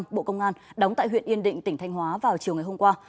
bộ công an đóng tại huyện yên định tỉnh thanh hóa vào chiều ngày hôm qua